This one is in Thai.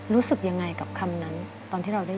รู้สึกยังไงกับคำนั้นตอนที่เราได้